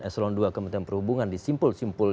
eselon ii kementerian perhubungan di simpul simpul